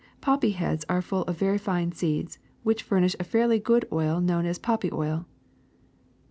^'Poppy heads are full of very fine seeds which furnish a fairly good oil known as poppy oil.'